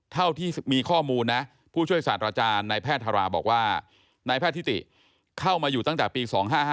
เท่าที่มีข้อมูลนะผู้ช่วยศาสตราจารย์นายแพทย์ธาราบอกว่านายแพทย์ทิติเข้ามาอยู่ตั้งแต่ปี๒๕๕